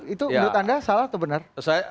itu menurut anda salah atau benar